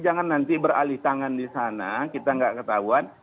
jangan nanti beralih tangan disana kita nggak ketahuan